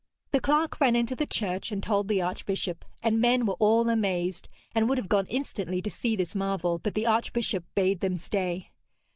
The clerk ran into the church and told the archbishop, and men were all amazed and would have gone instantly to see this marvel, but the archbishop bade them stay.